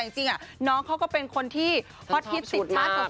จริงน้องเขาก็เป็นคนที่ฮอตฮิตติดชาติ